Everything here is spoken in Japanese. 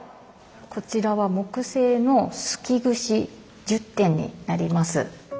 こちらは木製のすきぐし１０点になります。